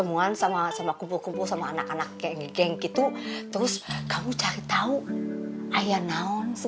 menidak lempisan aduh si gagot